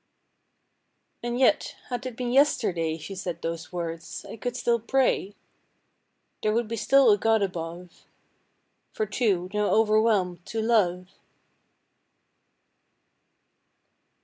And yet had it been yesterday She said those words, I still could pray. There would be still a God above For two, now overwhelmed, to love!